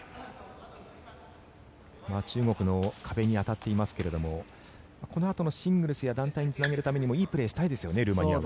中国の壁に当たっていますけれどもこのあとのシングルスやダブルスにつなげるためにもいいプレーをしたいですよねルーマニアも。